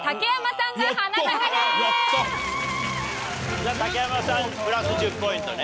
じゃあ竹山さんプラス１０ポイントね。